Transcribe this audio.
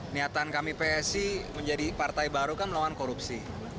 niatan kami psi menjadi partai baru kan melawan korupsi